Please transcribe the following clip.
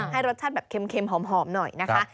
ให้รสชาติแบบเค็มหอมหน่อยนะคะ